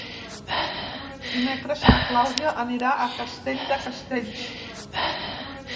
Dimecres na Clàudia anirà a Castell de Castells.